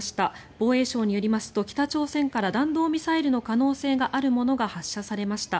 防衛省によりますと北朝鮮から弾道ミサイルの可能性があるものが発射されました。